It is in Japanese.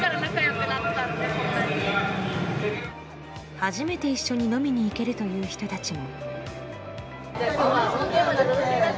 初めて一緒に飲みに行けるという人たちも。